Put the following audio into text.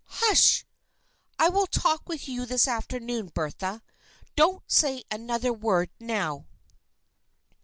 " Hush ! I will talk with you this afternoon, Bertha. Don't say another word now."